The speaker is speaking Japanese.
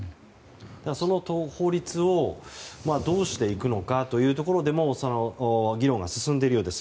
その法律をどうしていくのかというのでも議論が進んでいるようです。